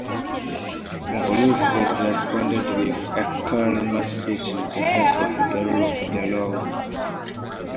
Roosevelt responded with a calmer speech in defense of the rule of law.